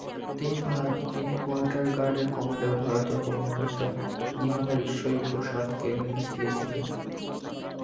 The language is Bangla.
তিনি কোয়ার্টার-গার্ডের কমান্ডার ভারতীয় কর্মকর্তা জিমাদার ঈশ্বরী প্রসাদকে নির্দেশ দিয়েছিলেন।